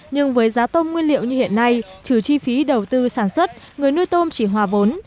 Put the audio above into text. nhưng với giá tôm nguyên liệu như hiện nay trừ chi phí đầu tư sản xuất người nuôi tôm chỉ hòa vốn